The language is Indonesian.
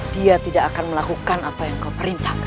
dia tidak akan melakukan apa yang kau perintahkan